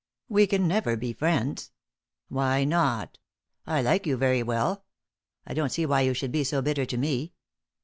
We can never be friends." "Why not? I like you very well. I don't see why you should be so bitter to me."